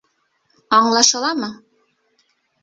Аңлашыламы?